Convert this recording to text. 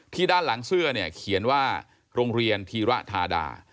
ด้านหลังเสื้อเนี่ยเขียนว่าโรงเรียนธีระธาดา